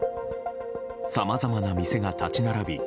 さまざまな店が立ち並び